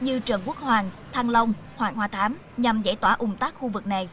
như trần quốc hoàng thăng long hoàng hoa thám nhằm giải tỏa ung tác khu vực này